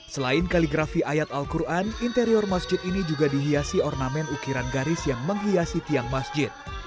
selain kaligrafi ayat al quran interior masjid ini juga dihiasi ornamen ukiran garis yang menghiasi tiang masjid